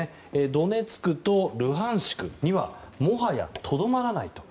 ドネツクとルハンシクにはもはやとどまらないと。